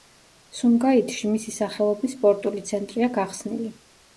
სუმგაითში მისი სახელობის სპორტული ცენტრია გახსნილი.